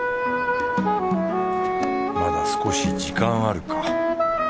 まだ少し時間あるか。